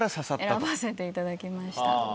選ばせていただきました。